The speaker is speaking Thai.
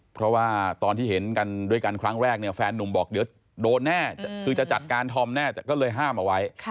เพราะว่าตอนที่เห็นกันด้วยกันครั้งแรกเนี่ยแฟนนุ่มบอกเดี๋ยวโดนแน่คือจะจัดการธอมแน่แต่ก็เลยห้ามเอาไว้